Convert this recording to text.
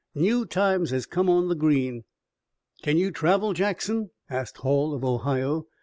New times has come on the Green." "Can you travel, Jackson?" asked Hall of Ohio.